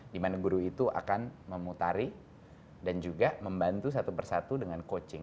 dimana guru itu akan memutari dan juga membantu satu persatu dengan coaching